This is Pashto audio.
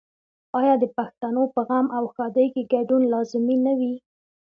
آیا د پښتنو په غم او ښادۍ کې ګډون لازمي نه وي؟